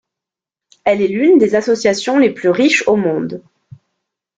Elle est l'une des associations les plus riches au monde.